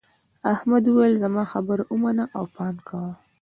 احمد وویل زما خبره ومنه او پام کوه.